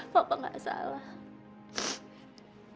papa gak salah